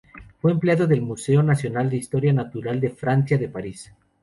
Fue empleado del Museo Nacional de Historia Natural de Francia, de París.